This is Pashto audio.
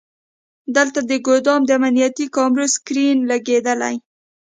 دلته د ګودام د امنیتي کامرو سکرین لګیدلی.